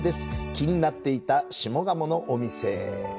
気になっていた下鴨のお店へ。